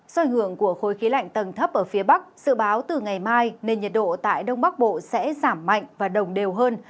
do ảnh hưởng của khối khí lạnh tầng thấp ở phía bắc dự báo từ ngày mai nên nhiệt độ tại đông bắc bộ sẽ giảm mạnh và đồng đều hơn